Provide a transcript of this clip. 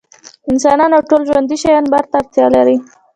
انسانان او ټول ژوندي شيان لمر ته اړتيا لري.